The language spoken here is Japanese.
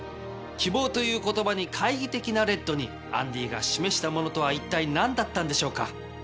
希望という言葉に懐疑的なレッドにアンディーが示したものとは一体何だったんでしょうか？